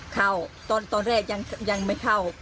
เข้าตอนแรกยังไม่เข้า